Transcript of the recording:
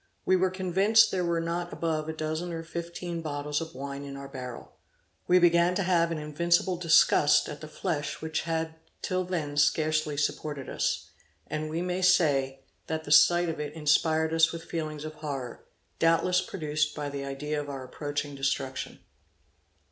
We were convinced there were not above a dozen or fifteen bottles of wine in our barrel. We began to have an invincible disgust at the flesh which had till then scarcely supported us; and we may say, that the sight of it inspired us with feelings of horror, doubtless produced by the idea of our approaching destruction.